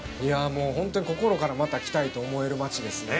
本当に心からまた来たいと思える町ですね。